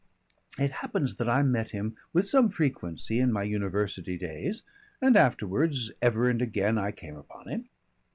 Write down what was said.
It happens that I met him with some frequency in my university days and afterwards ever and again I came upon him.